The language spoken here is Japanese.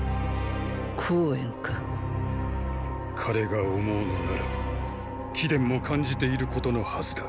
項燕か彼が思うのなら貴殿も感じていることのはずだ。